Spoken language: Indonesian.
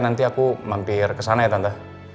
nanti aku mampir kesana ya tante